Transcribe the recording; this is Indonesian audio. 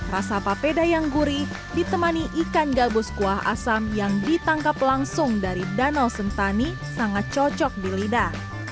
rasa papeda yang gurih ditemani ikan gabus kuah asam yang ditangkap langsung dari danau sentani sangat cocok di lidah